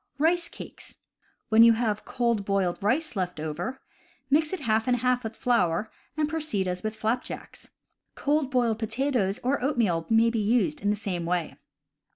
Rice Cakes. — When you have cold boiled rice left over, mix it half and half with flour, and proceed as with flapjacks. Cold boiled potatoes or oatmeal may be used in the same way.